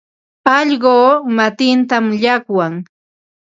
Allquu matintam llaqwan.